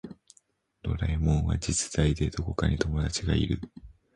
ドラえもんは実在でどこかに友達がいる